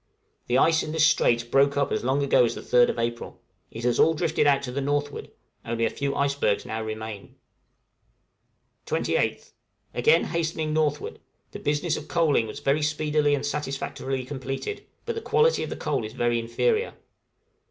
The ice in this strait broke up as long ago as the 3rd April; it has all drifted out to the northward, only a few icebergs now remain. 28th. Again hastening northward; the business of coaling was very speedily and satisfactorily completed, but the quality of the coals is very inferior.